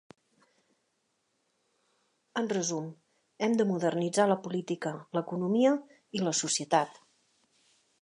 En resum, hem de modernitzar la política, l'economia i la societat.